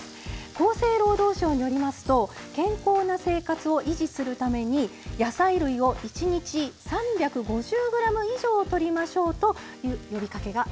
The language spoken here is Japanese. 厚生労働省によりますと健康な生活を維持するために野菜類を１日３５０ｇ以上とりましょうという呼びかけがあります。